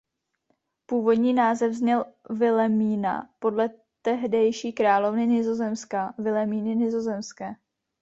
Původní název zněl "Vilemína" podle tehdejší královny Nizozemska Vilemíny Nizozemské.